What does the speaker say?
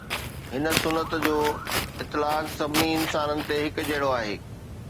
هن سنت جو اطلاق سڀني انسانن تي هڪ جهڙو آهي.